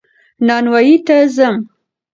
نانوايي ته ځم